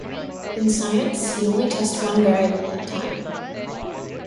In science, you only test one variable at a time.